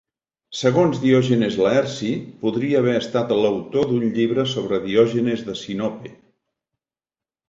Segons Diògenes Laerci, podria haver estat l'autor d'un llibre sobre Diògenes de Sinope.